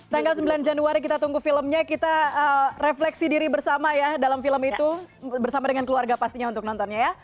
tanggal sembilan januari kita tunggu filmnya kita refleksi diri bersama ya dalam film itu bersama dengan keluarga pastinya untuk nontonnya ya